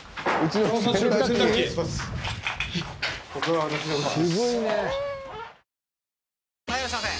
・はいいらっしゃいませ！